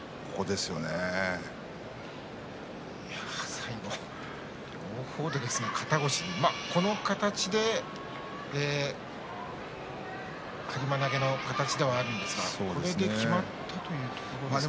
最後は肩越しに、この形ではりま投げの形ではあるんですけれどこれできまったというところなんですかね。